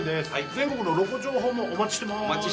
全国のロコ情報もお待ちしてます。